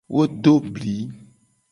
Wo do bli.